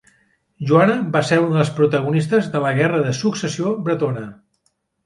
Joana va ser una de les protagonistes de la Guerra de Successió Bretona.